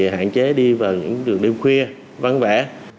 hạn chế đi vào những đường đêm khuya văn vẽ